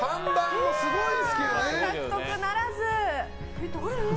獲得ならず。